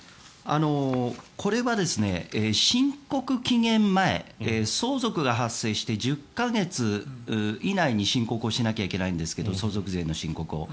これは申告期限前相続が発生して１０か月以内に申告をしなきゃいけないんですが相続税の申告を。